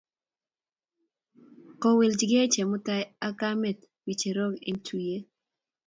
Kowaljikey Chemutai ak kamet ng'echerok eng' tuiyet.